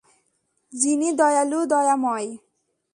যিনি দয়ালু দয়াময়।